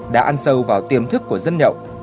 đã ăn sâu vào tiềm thức của dân nhậu